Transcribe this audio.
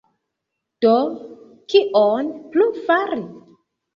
Do, kion plu fari?